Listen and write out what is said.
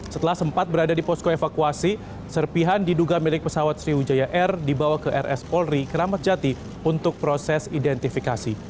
setelah sempat berada di posko evakuasi serpihan diduga milik pesawat sriwijaya air dibawa ke rs polri keramat jati untuk proses identifikasi